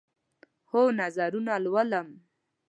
هو، نظرونه لولم